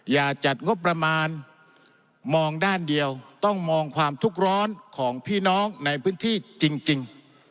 อย่าจัดงบประมาณมองด้านเดียวต้องมองความทุกข์ร้อนของพี่น้องในพื้นที่จริง